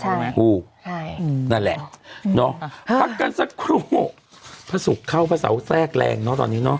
ใช่คู่นั่นแหละพักกันสักครู่พระสุขเข้าพระเสาแทรกแรงเนอะตอนนี้เนอะ